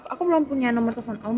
aku belum punya nomor telfon om